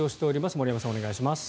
森山さん、お願いします。